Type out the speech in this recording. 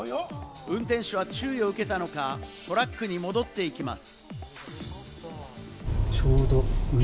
運転手は注意を受けたのか、トラックに戻っていきます。